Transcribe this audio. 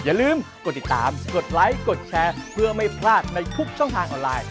อย่าลืมกดติดตามกดไลค์กดแชร์เพื่อไม่พลาดในทุกช่องทางออนไลน์